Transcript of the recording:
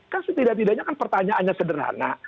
kan setidak tidaknya kan pertanyaannya sederhana